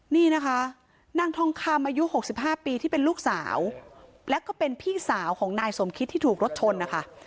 นี่นะคะนางทองคำอายุ๖๕ปีที่เป็นลูกสาวและก็เป็นพี่สาวของนายสมคิตที่ถูกรถชนนะคะ